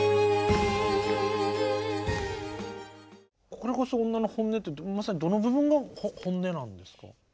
「これこそ女の本音！」ってまさにどの部分が本音なんですか？